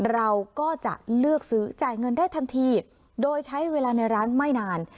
เราก็จะเลือกซื้อจ่ายเงินได้ทันทีโดยใช้เวลาในร้านไม่นาน